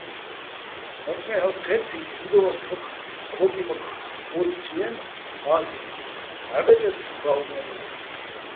მაცმე ჰ̦ალო̆ ჴე́თთი́ნც, დიდო́ვას თოფ ქო́კიმაქ ო́თთჲიენი̆, ა́ლ'იჼ: დაჰ̦ ბეწე́თხ შუ ბა́ვბანაჲნო̆.